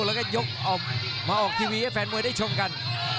แล้วก็ยกออกมาออกทีวีให้แฟนมวยได้ชมกัน